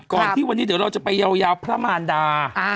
ที่วันนี้เดี๋ยวเราจะไปยาวพระมารดา